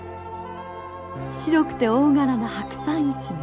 白くて大柄なハクサンイチゲ。